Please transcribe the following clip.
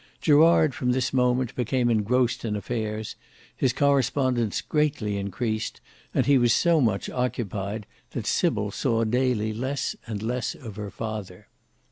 Gerard from this moment became engrossed in affairs; his correspondence greatly increased; and he was so much occupied that Sybil saw daily less and less of her father.